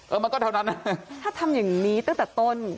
มันก็เท่านั้นนะถ้าทำอย่างนี้ตั้งแต่ต้น